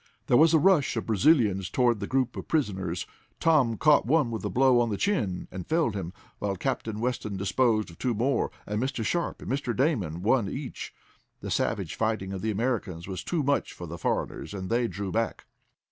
There was a rush of Brazilians toward the group of prisoners. Tom caught one with a blow on the chin, and felled him, while Captain Weston disposed of two more, and Mr. Sharp and Mr. Damon one each. The savage fighting of the Americans was too much for the foreigners, and they drew back.